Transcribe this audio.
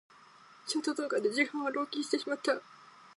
ショート動画で時間を浪費してしまった。